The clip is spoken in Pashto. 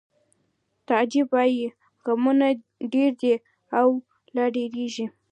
تعجب وایی غمونه ډېر دي او لا ډېرېږي